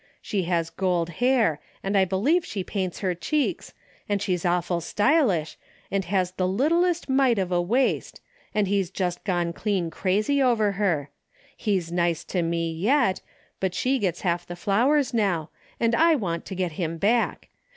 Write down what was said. She has gold hair and I believe she paints her cheeks, and she's awful stylish, and has the littlest mite of a waist, and he's just gone clean crazy over her. He's nice to me DAILY RATE. 243 yet, but she gets half the flowers noAv, and I want to get him back.